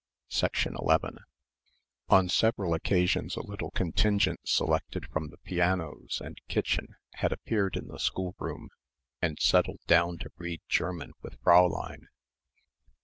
11 On several occasions a little contingent selected from the pianos and kitchen had appeared in the schoolroom and settled down to read German with Fräulein.